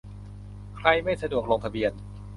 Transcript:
ใครไม่สะดวกลงทะเบียน